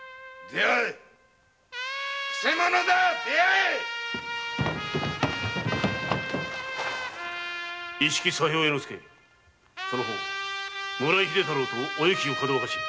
出会え一色左兵衛介その方村井秀太郎とお雪をかどわかし